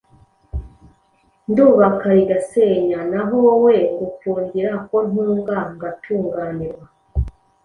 ndubaka rigasenya. Naho wowe, ngukundira ko ntunga ngatunganirwa.